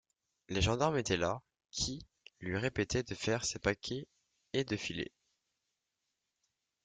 Les gendarmes étaient là, qui lui répétaient de faire ses paquets et de filer.